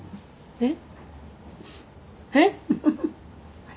えっ？